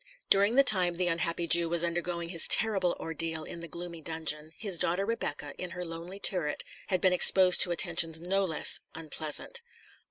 During the time the unhappy Jew was undergoing his terrible ordeal in the gloomy dungeon, his daughter Rebecca, in her lonely turret, had been exposed to attentions no less unpleasant.